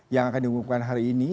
yang akan diumumkan hari ini